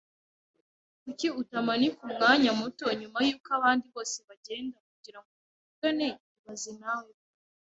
Kuki utamanika umwanya muto nyuma yuko abandi bose bagenda kugirango tuvugane ibaze nawe koko